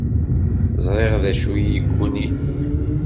Ẓriɣ d acu i yi-ggunin.